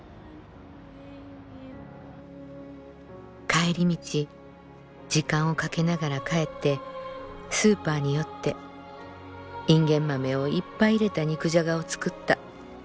「帰り道時間をかけながら帰ってスーパーに寄ってインゲン豆をいっぱい入れた肉じゃがを作った。